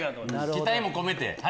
期待も込めて。